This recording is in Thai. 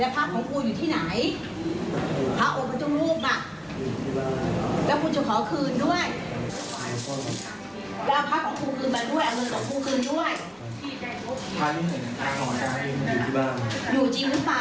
พระมิงเห็นของพระโอบันตรงรูปอยู่ที่บ้าน